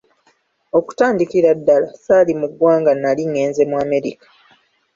Okutandikira ddala, saali mu ggwanga nali ngenze mu Amerika.